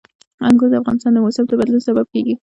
انګور د افغانستان د موسم د بدلون سبب کېږي.